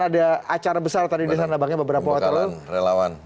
ada acara besar tadi di sana bang beberapa waktu lalu